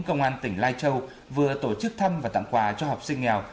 công an tỉnh lai châu vừa tổ chức thăm và tặng quà cho học sinh nghèo